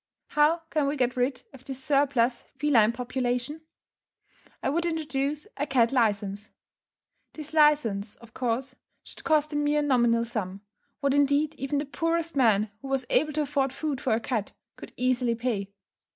How can we get rid of this surplus feline population? I would introduce a cat licence. This licence, of course, should cost a mere nominal sum, what indeed even the poorest man who was able to afford food for a cat, could easily pay.